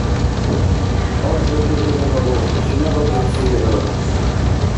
– Агь, хӀу тӀутӀули мабукь! Чина бикибсири хӀу?